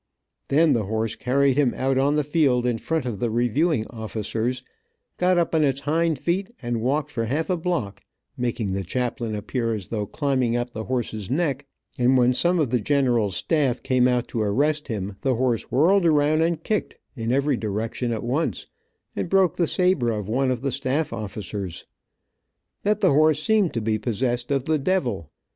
Then the horse carried him out on the field in front of the reviewing officers, got up on its hind feet and walked for half a block, making the chaplain appear as though climbing up the horse's neck, and when some of the general's staff came out to arrest him, the horse whirled around and kicked, in every direction at once, and broke the saber of one of the staff officers. That the horse seemed to be possessed of the devil.